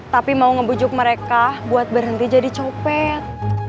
tapi mau ngebujuk mereka buat berhenti jadi copet